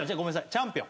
『チャンピオン』。